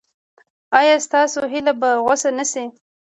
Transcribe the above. ایا ستاسو هیله به غوڅه نشي؟